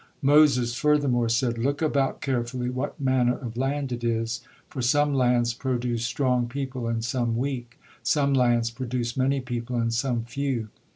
Moses furthermore said: "Look about carefully what manner of land it is, for some lands produce strong people and some weak, some lands produce many people and some few.